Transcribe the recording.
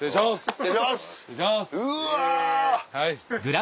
失礼しますうわ！